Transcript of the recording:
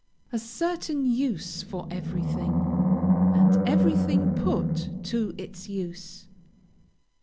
A certain use for everything, and everything put to its use.